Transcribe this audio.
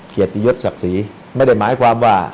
เกียรติยศศักดิ์ศรีไม่ได้หมายความว่า